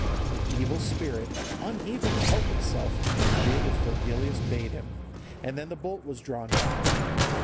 The evil spirit, unable to help itself, did as Virgilius bade him, and then the bolt was drawn back.